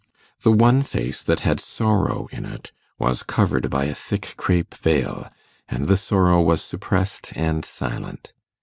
The one face that had sorrow in it was covered by a thick crape veil, and the sorrow was suppressed and silent.